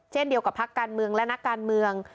เช่นเดียวกับพักการเมืองและนักการเมือง